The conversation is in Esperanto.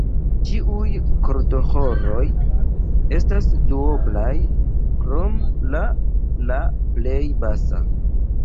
Ĉiuj kordoĥoroj estas duoblaj, krom la La plej basa.